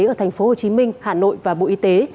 ở thành phố hồ chí minh hà nội và bộ y tế